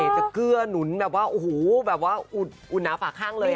เสน่ห์จังเกลือหนุนอุ่นน้าฝาข้างเลย